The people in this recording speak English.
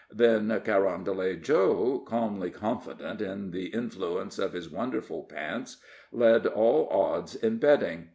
Then Carondelet Joe, calmly confident in the influence of his wonderful pants, led all odds in betting.